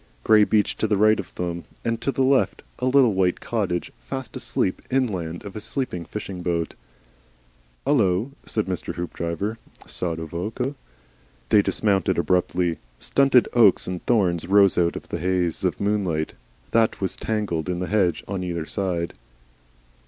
Grey beach to the right of them and to the left, and a little white cottage fast asleep inland of a sleeping fishing boat. "Hullo!" said Mr. Hoopdriver, sotto voce. They dismounted abruptly. Stunted oaks and thorns rose out of the haze of moonlight that was tangled in the hedge on either side.